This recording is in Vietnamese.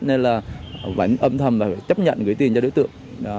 nên là vẫn âm thầm và phải chấp nhận gửi tiền cho đối tượng